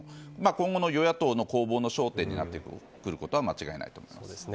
今後の与野党の攻防の焦点になってくることは間違いないと思います。